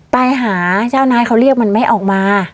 ไปหาเจ้านายเขาเรียกมันไม่ออกมา